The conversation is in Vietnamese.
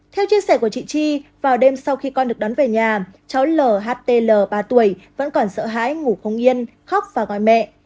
theo chia sẻ của chị chi vào đêm sau khi con được đón về nhà cháu ltl ba tuổi vẫn còn sợ hãi ngủ không yên khóc và gọi mẹ